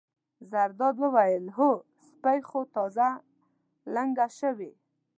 زرداد وویل: هو سپۍ خو تازه لنګه شوې.